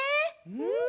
うん！